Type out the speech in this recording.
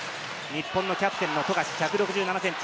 日本のキャプテンの富樫、１６７ｃｍ。